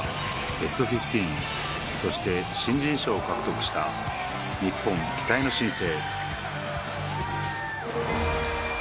ベスト１５そして新人賞を獲得した日本期待の新星